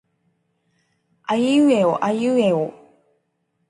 あいうえおあいうえお